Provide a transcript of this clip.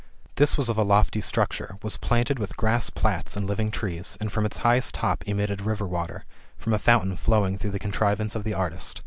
This Avas of a lofty structure, was planted with grass plats and living trees, I and from its highest top emitted river water, from a fountain flowing through the contrivance of the artist.